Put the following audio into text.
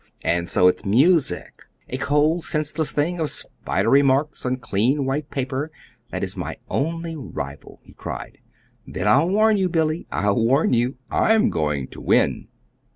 "And so it's music a cold, senseless thing of spidery marks on clean white paper that is my only rival," he cried. "Then I'll warn you, Billy, I'll warn you. I'm going to win!"